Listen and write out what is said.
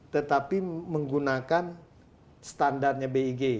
tetapi menggunakan standarnya beg